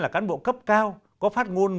là cán bộ cấp cao có phát ngôn